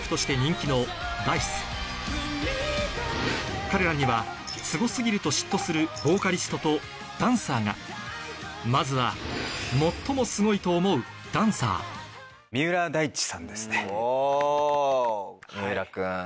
広げ彼らにはすご過ぎると嫉妬するボーカリストとダンサーがまずは最もすごいと思うダンサーお三浦君。